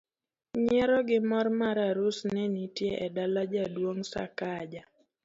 nyiero gi mor mar arus ne nitie e dala jaduong' Sakaja